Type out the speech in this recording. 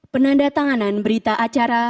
penanda tanganan berita acara